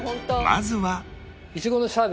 まずは